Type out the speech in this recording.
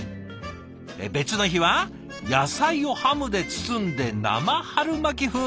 別の日は野菜をハムで包んで生春巻き風に。